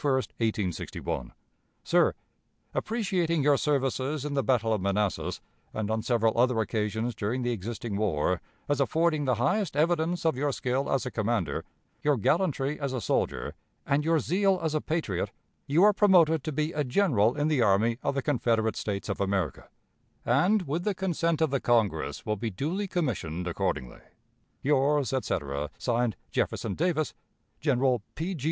_ "Sir: Appreciating your services in the battle of Manassas, and on several other occasions during the existing war, as affording the highest evidence of your skill as a commander, your gallantry as a soldier, and your zeal as a patriot, you are promoted to be a general in the army of the Confederate States of America, and, with the consent of the Congress, will be duly commissioned accordingly. "Yours, etc., (Signed) "Jefferson Davis. "General P. G.